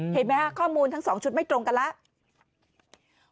เห็นไหมฮะข้อมูลทั้ง๒ชุดไม่ตรงกันแล้ว